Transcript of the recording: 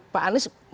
pak anies masuk